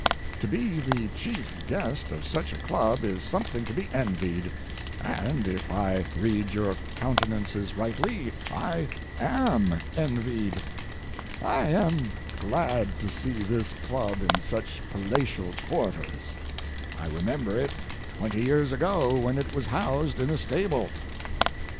To be the chief guest of such a club is something to be envied, and if I read your countenances rightly I am envied. I am glad to see this club in such palatial quarters. I remember it twenty years ago when it was housed in a stable.